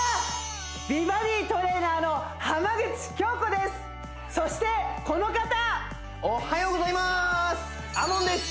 美バディトレーナーの浜口京子ですそしてこの方おはようございますＡＭＯＮです